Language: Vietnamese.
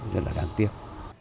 rất là đáng tiếc